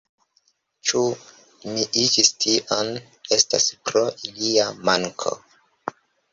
Ĉu mi iĝis tion, estas pro ilia manko.